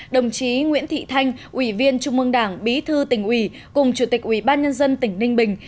đồng chí nguyễn thị thanh ủy viên trung mương đảng bí thư tỉnh ủy cùng chủ tịch ủy ban nhân dân tỉnh ninh bình